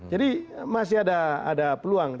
jadi masih ada peluang